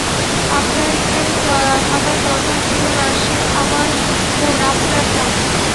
আপনার এখানে থাকার দরকার ছিলনা সে আমার বোন, আপনার না।